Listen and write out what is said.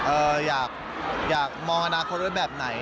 เอออยากมองอาณาคนด้วยแบบไหน